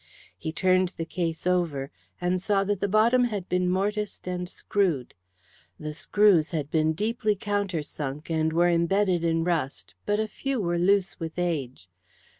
He turned the case over, and saw that the bottom had been mortised and screwed. The screws had been deeply countersunk, and were embedded in rust, but a few were loose with age.